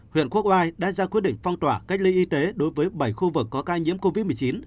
huyện quốc oai đã ra quyết định phong tỏa cách ly y tế đối với bảy khu vực có ca nhiễm covid một mươi chín